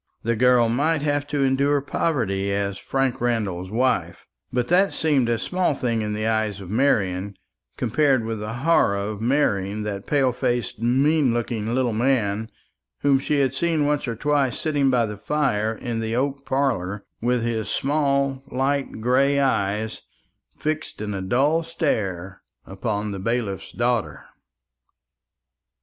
The girl might have to endure poverty as Frank Randall's wife; but that seemed a small thing in the eyes of Marian, compared with the horror of marrying that pale faced mean looking little man, whom she had seen once or twice sitting by the fire in the oak parlour, with his small light grey eyes fixed in a dull stare upon the bailiff's daughter.